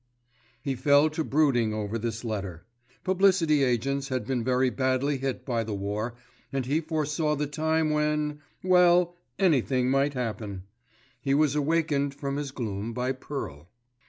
He fell to brooding over this letter. Publicity agents had been very badly hit by the war, and he foresaw the time when—well, anything might happen. He was awakened from his gloom by Pearl.